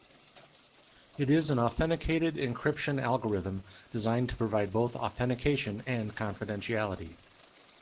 It is an authenticated encryption algorithm designed to provide both authentication and confidentiality.